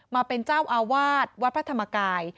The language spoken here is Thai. มาเป็นเจ้าอาวาสวัดพระธรรมกาย